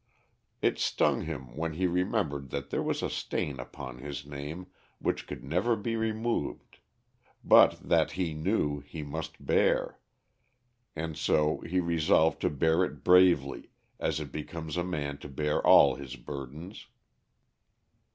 It stung him when he remembered that there was a stain upon his name which could never be removed; but that, he knew, he must bear, and so he resolved to bear it bravely, as it becomes a man to bear all his burdens.